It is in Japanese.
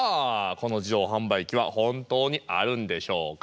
この自動販売機は本当にあるんでしょうか？